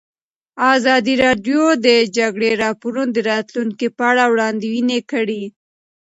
ازادي راډیو د د جګړې راپورونه د راتلونکې په اړه وړاندوینې کړې.